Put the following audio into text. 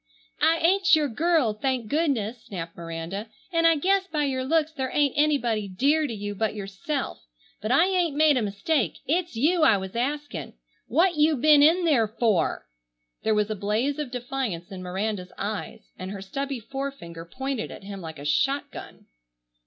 "I ain't your girl, thank goodness!" snapped Miranda, "and I guess by your looks there ain't anybody 'dear' to you but yourself. But I ain't made a mistake. It's you I was asking. What you bin in there for?" There was a blaze of defiance in Miranda's eyes, and her stubby forefinger pointed at him like a shotgun.